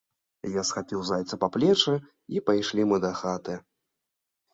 Я схапіў зайца па плечы, і пайшлі мы да хаты.